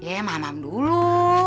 iya mamam dulu